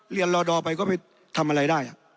เรียนรอดอร์ไปก็ไปทำอะไรได้